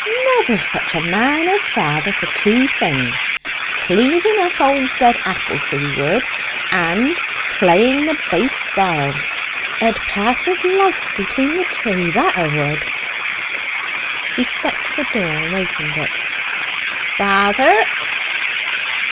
"Never such a man as father for two things cleaving up old dead apple tree wood and playing the bass viol. 'A'd pass his life between the two, that 'a would." He stepped to the door and opened it. "Father!"